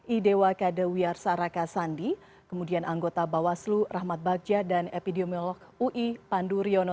ide wakadewiar saraka sandi kemudian anggota bawaslu rahmat bagja dan epidemiolog ui pandu riono